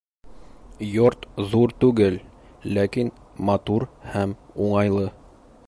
Йорт ҙур түгел, ләкин матур һәм уңайлы